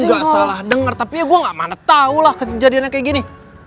gue itu gak salah dengar tapi gue gak mana tau lah kejadiannya kayak gini